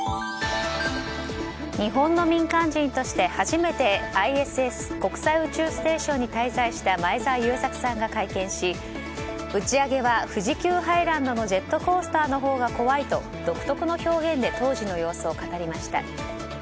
日本の民間人として初めてＩＳＳ・国際宇宙ステーションに滞在した前澤友作さんが会見し打ち上げは富士急ハイランドのジェットコースターのほうが怖いと独特の表現で当時の様子を語りました。